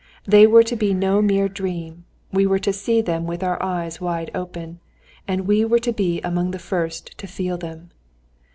They were to be no mere dream, we were to see them with our eyes wide open. And we were to be among the first to feel them.